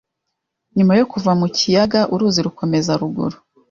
Nyuma yo kuva mu kiyaga uruzi rukomeza ruguru